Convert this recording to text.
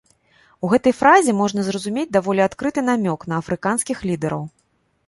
У гэтай фразе можна зразумець даволі адкрыты намёк на афрыканскіх лідэраў.